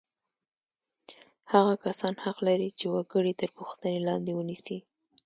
هغه کسان حق لري چې وګړي تر پوښتنې لاندې ونیسي.